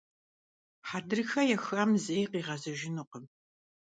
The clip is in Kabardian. Хьэдрыхэ ехам зэи къигъэзэжынукъым.